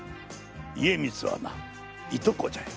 家光はないとこじゃよ。